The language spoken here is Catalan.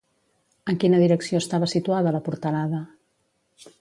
En quina direcció estava situada la portalada?